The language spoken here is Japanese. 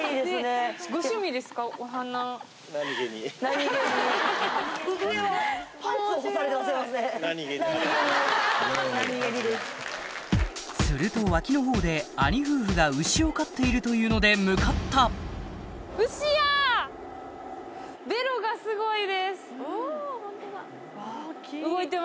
すると脇のほうで兄夫婦が牛を飼っているというので向かったスゴイ。